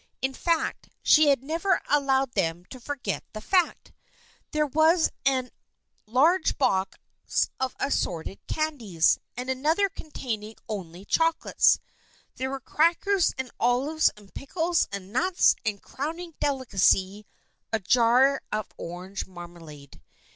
In fact, she had never allowed them to forget the fact. Then there was a large box of assorted candies, and another contain ing only chocolates. There were crackers and olives and pickles and nuts, and, crowning delicacy, a jar of orange marmalade.